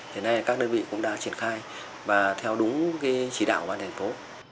hiện nay các đơn vị cũng đã triển khai và theo đúng chỉ đạo của ban thành phố